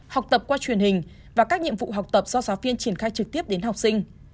học tập qua truyền hình và các nhiệm vụ học tập do giáo viên triển khai trực tiếp đến học sinh